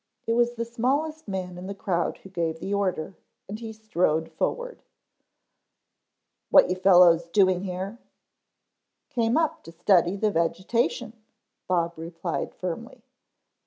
It was the smallest man in the crowd who gave the order and he strode forward. "What you fellows doing here?" "Came up to study the vegetation," Bob replied firmly.